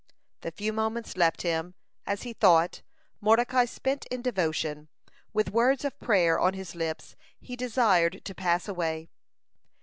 The few moments left him, as he thought, Mordecai spent in devotion. With words of prayer on his lips he desired to pass away.